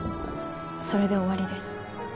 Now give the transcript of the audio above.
それで終わりです。